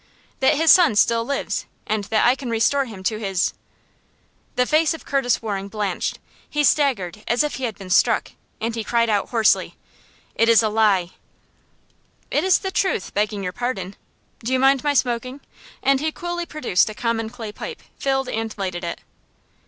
"That his son still lives; and that I can restore him to his " The face of Curtis Waring blanched; he staggered as if he had been struck; and he cried out, hoarsely: "It is a lie!" "It is the truth, begging your pardon. Do you mind my smoking?" and he coolly produced a common clay pipe, filled and lighted it.